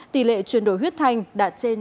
tỷ lệ chuyển đổi huyết thành đạt trên chín mươi chín